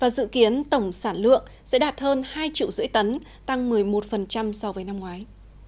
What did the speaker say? dự kiến tổng sản lượng sẽ đạt hơn hai triệu rưỡi tấn tăng một mươi một so với năm ngoái